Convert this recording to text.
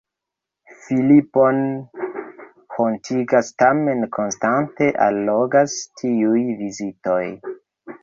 Filipon hontigas, tamen konstante allogas tiuj vizitoj.